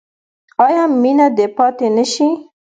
آیا مینه دې پاتې نشي؟